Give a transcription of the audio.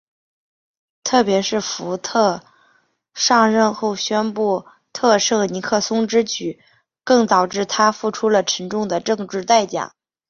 特别是福特上任后宣布特赦尼克松之举更导致他付出了沉重的政治代价。